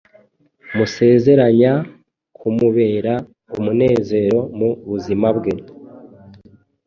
musezeranya kumubera Umunezero mu buzima bwe